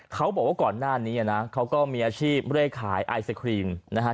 ก่อนหน้านี้เขาก็มีอาชีพพูดเรียกขายอายสกรีมนะครับ